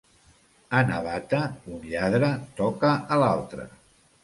A Navata, un lladre toca a l'altre.